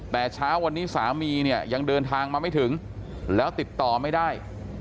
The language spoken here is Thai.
แต่เช้าวันนี้สามีเนี่ยยังเดินทางมาไม่ถึงแล้วติดต่อไม่ได้